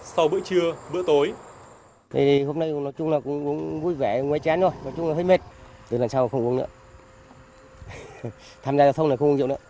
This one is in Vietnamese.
sau bữa trưa bữa tối